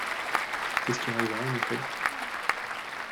C’est ce qui arriva, en effet.